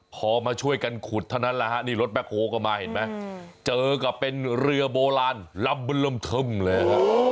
พอมาช่วยกันขุดเท่านั้นรถแป๊กโฮล์ก็มาเห็นไหมเจอกับเป็นเรือโบราณลำบลำเทิมเลย